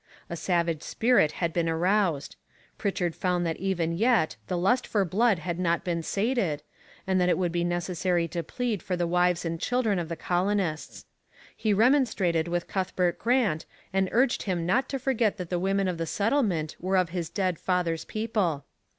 A savage spirit had been aroused. Pritchard found that even yet the lust for blood had not been sated, and that it would be necessary to plead for the wives and children of the colonists. He remonstrated with Cuthbert Grant and urged him not to forget that the women of the settlement were of his dead father's people.